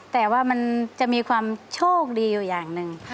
แต่ว่ามันจะมีความโชคดีอยู่อย่างหนึ่ง